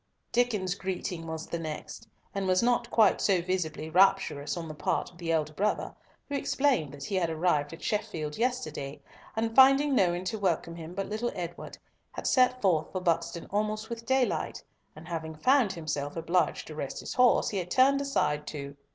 Diccon's greeting was the next, and was not quite so visibly rapturous on the part of the elder brother, who explained that he had arrived at Sheffield yesterday, and finding no one to welcome him but little Edward, had set forth for Buxton almost with daylight, and having found himself obliged to rest his horse, he had turned aside to—